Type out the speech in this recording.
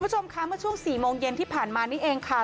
คุณผู้ชมคะเมื่อช่วง๔โมงเย็นที่ผ่านมานี่เองค่ะ